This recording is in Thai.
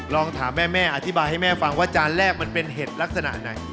ลองถามแม่แม่อธิบายให้แม่ฟังว่าจานแรกมันเป็นเห็ดลักษณะไหน